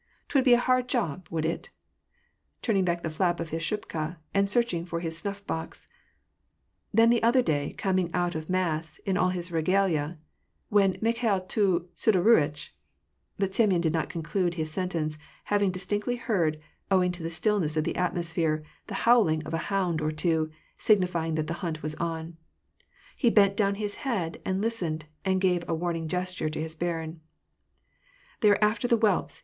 " 'Twould be a hard job, would it ?" turning back the flap of his shubka, and searching for his snuff box. " Then the other day, coming out of mass, in all his regalia^ when Mikhail'to Sidoruitch "— But Semyon did not conclude his sentence, having dis tinctly heard, owing to the stillness of the atmosphere, the howling of a hound or two, signifying that the hunt was on : he bent down his head, and listened, and gave a warning ges ture to his barin. " They are after the whelps